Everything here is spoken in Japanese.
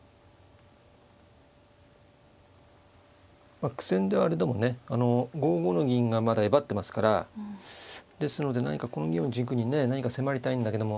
まあ苦戦ではあれどもね５五の銀がまだ威張ってますからですので何かこの銀を軸にね何か迫りたいんだけども。